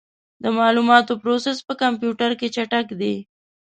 د معلوماتو پروسس په کمپیوټر کې چټک دی.